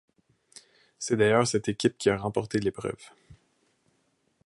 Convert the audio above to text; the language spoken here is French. C'est d'ailleurs cette équipe qui a remporté l'épreuve.